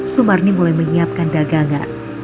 sumarni mulai menyiapkan dagangan